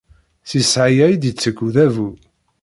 Si ssεaya i d-itekk udabu.